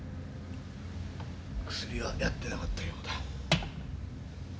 クスリはやってなかったようだ。